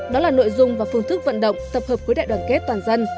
đó là nội dung và phương thức vận động tập hợp cuối đại đoàn kết toàn dân